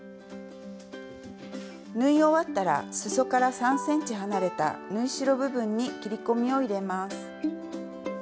縫い終わったらすそから３ｃｍ離れた縫い代部分に切り込みを入れます。